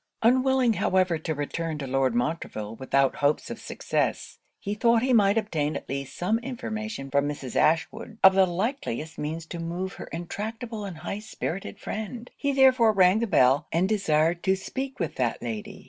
Unwilling however to return to Lord Montreville without hopes of success, he thought he might obtain at least some information from Mrs. Ashwood of the likeliest means to move her untractable and high spirited friend. He therefore rang the bell, and desired to speak with that lady.